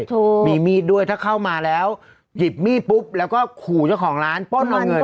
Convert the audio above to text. ถูกมีมีดด้วยถ้าเข้ามาแล้วหยิบมีดปุ๊บแล้วก็ขู่เจ้าของร้านป้นเอาเงิน